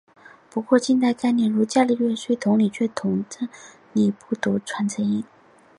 不过近代概念如伽利略虽同理却统读拟音不读传承音。